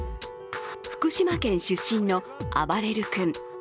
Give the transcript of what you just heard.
福島県出身のあばれる君。